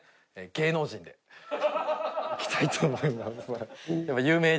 芸能人でいきたいと思います。